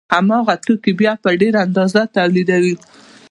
نو هماغه توکي بیا په ډېره اندازه تولیدوي